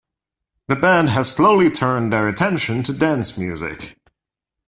The band had slowly turned their attention to dance music.